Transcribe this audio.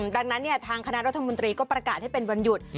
ดังนั้นทางคณะรัฐมนตรีก็ประกาศให้เป็นวันหยุด